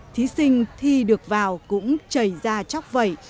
thí sinh thi được vào cũng chảy ra chóc vẩy